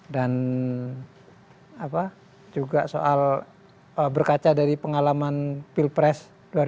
dan juga soal berkaca dari pengalaman pilpres dua ribu empat belas